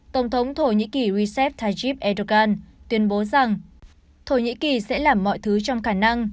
tổng thống thổ nhĩ kỳ recep tayjib erdogan tuyên bố rằng thổ nhĩ kỳ sẽ làm mọi thứ trong khả năng